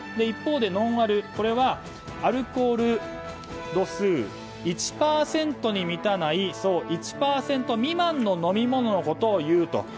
一方でノンアル、これはアルコール度数１％に満たない１％未満の飲み物のことをいうと。